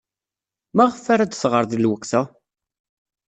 Maɣef ara d-tɣer deg lweqt-a?